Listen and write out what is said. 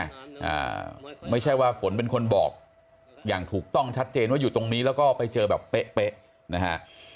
อ่าไม่ใช่ว่าฝนเป็นคนบอกอย่างถูกต้องชัดเจนว่าอยู่ตรงนี้แล้วก็ไปเจอแบบเป๊ะเป๊ะนะฮะ